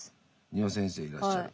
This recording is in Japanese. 丹羽先生いらっしゃる。